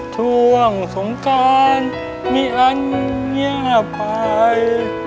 ช่วงสงการมีอันเงียบไป